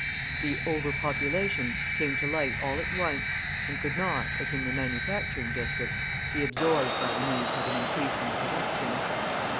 The "over population" came to light all at once, and could not, as in the manufacturing districts, be absorbed by the needs of an increasing production.